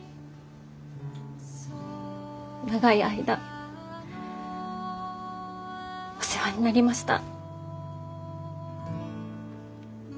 長い間お世話になりました。